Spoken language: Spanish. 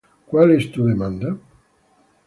¿Cuál es tu demanda?